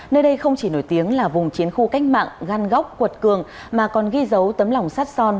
nơi đây không chỉ nổi tiếng là vùng chiến khu cách mạng gan góc quật cường mà còn ghi dấu tấm lòng sát son